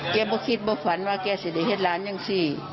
แกบอกคิดบอกฝันว่าแกเสียได้เฮ็ดล้านอย่างสิ